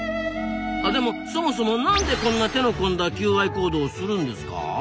でもそもそも何でこんな手の込んだ求愛行動をするんですか？